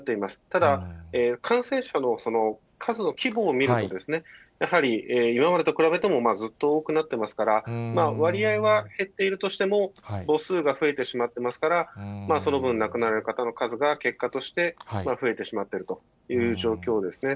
ただ、感染者の数の規模を見ると、やはり今までと比べてもずっと多くなってますから、割合は減っているとしても、母数が増えてしまってますから、その分、亡くなられる方の数が結果として増えてしまっているという状況ですね。